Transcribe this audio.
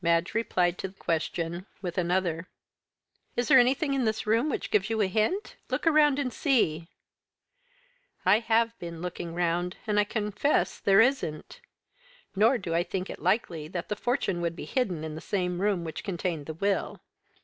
Madge replied to the question with another. "Is there anything in this room which gives you a hint? Look around and see." "I have been looking round, and I confess there isn't. Nor do I think it likely that the fortune would be hidden in the same room which contained the will."